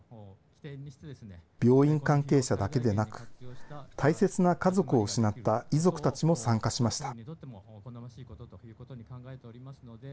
病院関係者だけでなく、大切な家族を失った遺族たちも参加しました。